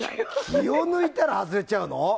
気を抜いたら外れちゃうの？